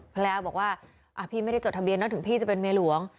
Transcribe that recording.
ภรรยาบอกว่าพี่ไม่ได้จดทะเบียนนะถึงพี่จะเป็นเมียหลวง